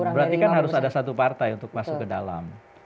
berarti kan harus ada satu partai untuk masuk ke dalam